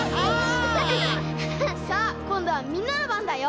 さあこんどはみんなのばんだよ！